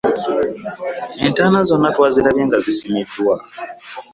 Entaana zonna twazirabye nga zisimiddwa.